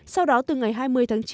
sau đó từ ngày hai mươi tháng chín